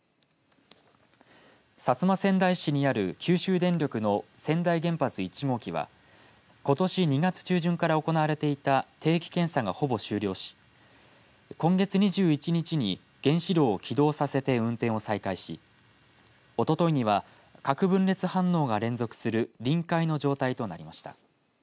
薩摩川内市にある九州電力の川内原発１号機はことし２月中旬から行われていた定期検査がほぼ終了し今月２１日に原子炉を起動させて運転を再開しおとといには核分裂反応が連続する臨界の状態となりました。